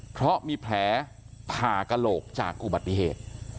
เพราะมีแผลผ่ากระโหลกจากอุบัติเหตุ